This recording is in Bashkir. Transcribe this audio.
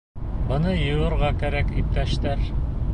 Быны йыуырға кәрәк, иптәштәр!